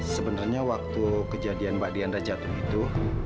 sebenarnya waktu kejadian mbak dian dah jatuh itu